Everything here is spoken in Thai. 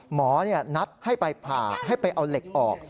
หมอนัดให้ไปผ่าให้ไปเอาเหล็กออก